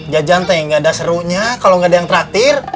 jajan teh nggak ada serunya kalau nggak ada yang terakhir